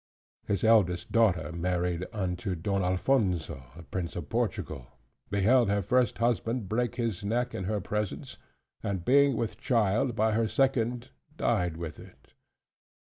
His eldest daughter married unto Don Alphonso, Prince of Portugal, beheld her first husband break his neck in her presence; and being with child by her second, died with it.